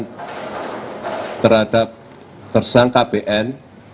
terhadap tersangka bn